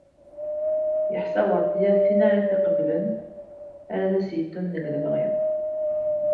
Yeḥsa Werdiya d tin ara t-iqeblen ara as-yeddun deg lebɣi.